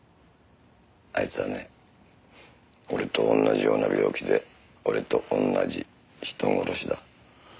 あいつはね俺と同じような病気で俺と同じ人殺しだ。